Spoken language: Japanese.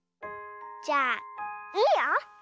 じゃあいいよ。